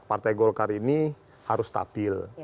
partai golkar ini harus stabil